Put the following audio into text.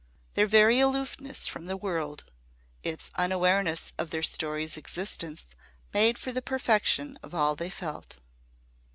Their very aloofness from the world its unawareness of their story's existence made for the perfection of all they felt.